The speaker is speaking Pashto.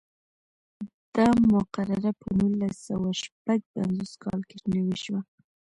دا مقرره په نولس سوه شپږ پنځوس کال کې نوې شوه.